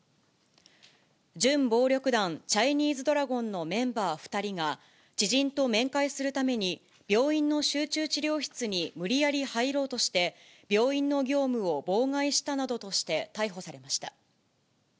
準暴力団、チャイニーズドラゴンのメンバー２人が、知人と面会するために病院の集中治療室に無理やり入ろうとして、病院の業務を妨害したなどとして、逮捕されました。